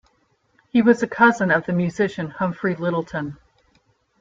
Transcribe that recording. He was a cousin of the musician Humphrey Lyttelton.